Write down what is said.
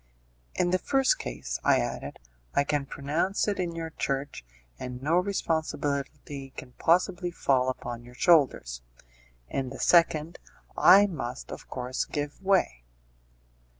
"In the first case," I added, "I can pronounce it in your church, and no responsibility can possibly fall upon your shoulders; in the second, I must, of course, give way."